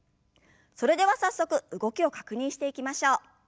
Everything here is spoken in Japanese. それでは早速動きを確認していきましょう。